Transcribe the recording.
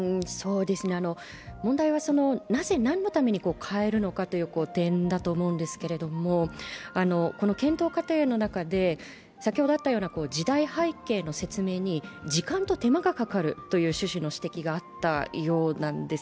問題は、なぜ、何のために変えるのかという点だと思うんですけれども検討過程の中で、先ほどあった時代背景の説明に時間と手間がかかるという趣旨の指摘があったようなんです。